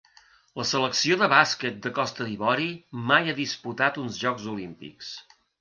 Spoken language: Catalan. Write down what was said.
La selecció de bàsquet de Costa d'Ivori mai ha disputat uns Jocs Olímpics.